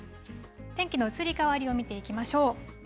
天気の移り変わりを見ていきましょう。